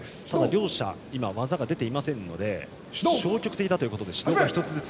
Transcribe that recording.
両者技が出ていませんので消極的だということで指導１つずつ。